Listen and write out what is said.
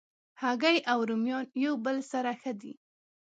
هګۍ او رومیان یو بل سره ښه دي.